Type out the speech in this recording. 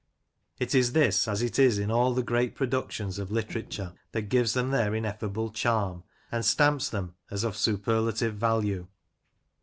It is this, as it is in all the great productions of literature, that gives them their ineffable charm, and stamps them as of superlative value.